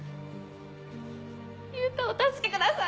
優太を助けてください。